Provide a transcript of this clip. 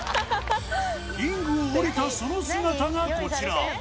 リングを降りたその姿がこちら。